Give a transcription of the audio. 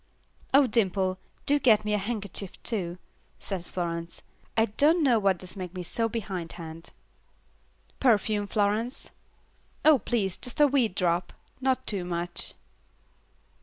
"Oh Dimple, do get me a handkerchief too," said Florence, "I don't know what does make me so behindhand." "Perfume, Florence?" "Oh, please, just a wee drop, not too much."